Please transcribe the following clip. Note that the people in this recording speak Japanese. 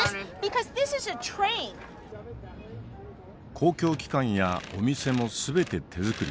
公共機関やお店も全て手作り。